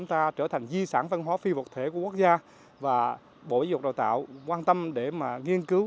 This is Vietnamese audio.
ta trở thành di sản văn hóa phi vật thể của quốc gia và bộ giáo dục đào tạo quan tâm để mà nghiên cứu